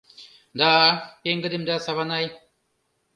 — Да, — пеҥгыдемда Саванай.